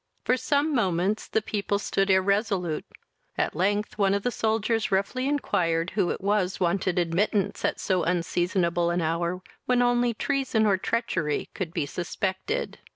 For some moments the people stood irresolute; at length one of the soldiers roughly inquired who it was wanted admittance at so unseasonable an hour, when only treason or treachery could be suspected.